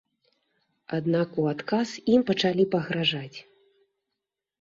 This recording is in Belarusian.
Аднак у адказ ім пачалі пагражаць.